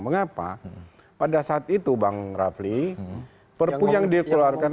mengapa pada saat itu bang rafli perpu yang dikeluarkan